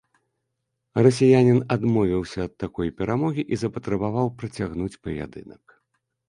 Расіянін адмовіўся ад такой перамогі і запатрабаваў працягнуць паядынак.